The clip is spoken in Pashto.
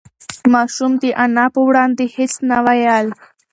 ماشوم د انا په وړاندې هېڅ نه ویل.